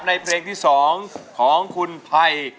ในเพลงที่๒ของคุณไพร